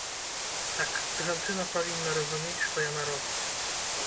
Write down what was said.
Так, жанчына павінна разумець, што яна робіць.